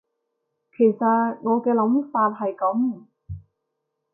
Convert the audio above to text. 其實我嘅諗法係噉